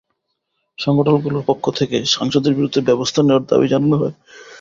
সংগঠনগুলোর পক্ষ থেকে সাংসদের বিরুদ্ধে ব্যবস্থা নেওয়ার দাবি জানানো হয়।